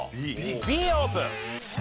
Ｂオープン。